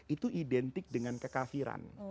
itu identik dengan kekafiran